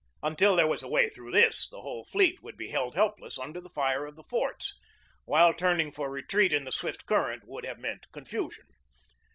Until there was a way through this, the whole fleet would be held helpless under the, fire of the forts; while turning for retreat in the swift current would have meant confusion.